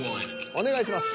お願いします。